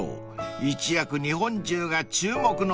［一躍日本中が注目の存在に］